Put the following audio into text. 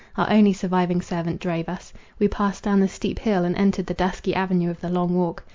Our only surviving servant drove us. We past down the steep hill, and entered the dusky avenue of the Long Walk.